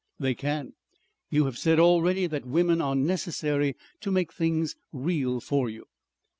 "They can. You have said already that women are necessary to make things real for you."